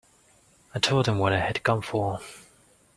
I told him what I had come for.